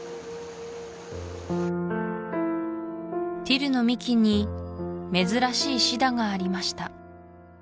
ティルの幹に珍しいシダがありました